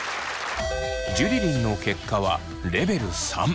ジュリリンの結果はレベル３。